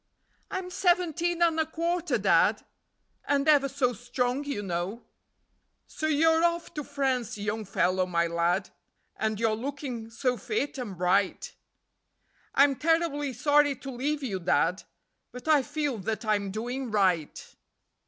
"I'm seventeen and a quarter, Dad, And ever so strong, you know." ..... "So you're off to France, Young Fellow My Lad, And you're looking so fit and bright." "I'm terribly sorry to leave you, Dad, But I feel that I'm doing right."